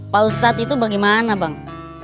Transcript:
pak ustadz itu bagaimana bang